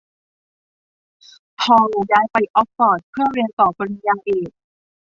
พอลย้ายไปออกฟอร์ดเพื่อเรียนต่อปริญญาเอก